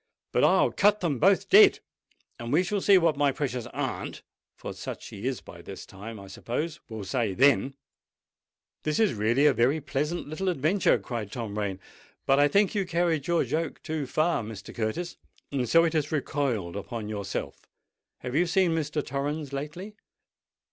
But I'll cut them both dead; and we shall see what my precious aunt—for such she is by this time, I suppose—will say then!" "This is really a very pleasant little adventure," cried Tom Rain. "But I think you carried your joke too far, Mr. Curtis; and so it has recoiled on yourself. Have you seen Mr. Torrens lately?"